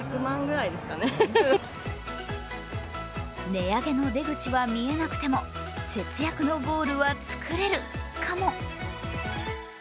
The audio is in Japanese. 値上げの出口は見えなくても節約のゴールは作れるかも。